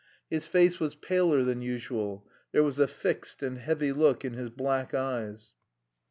His face was paler than usual; there was a fixed and heavy look in his black eyes.